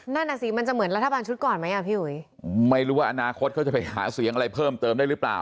นั่นอ่ะสิมันจะเหมือนรัฐบาลชุดก่อนไหมอ่ะพี่อุ๋ยไม่รู้ว่าอนาคตเขาจะไปหาเสียงอะไรเพิ่มเติมได้หรือเปล่า